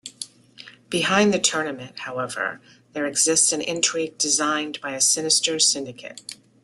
Behind the Tournament, however, there exists an intrigue designed by a sinister syndicate.